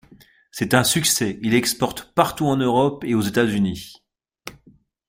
C’est un succès, il exporte partout en Europe et aux États-Unis.